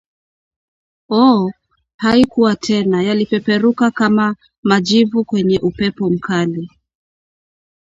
Ohh! haikuwa tena yalipeperuka kama majivu kwenye upepo mkali